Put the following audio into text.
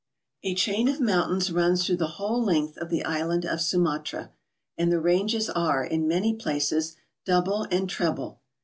A CHAIN of mountains runs through the whole length of the island of Sumatra; and the ranges are, in many places, double and treble.